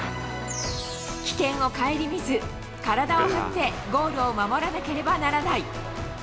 危険を顧みず、体を張ってゴールを守らなければならない。